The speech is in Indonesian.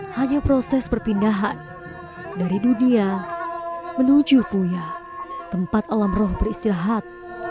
hanya proses perpindahan dari dunia menuju puya tempat alam roh beristirahat